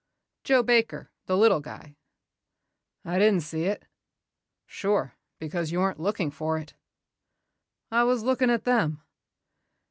"Joe Baker, the little guy." "I didn't see it." "Sure, because you weren't looking for it." "I was looking at them."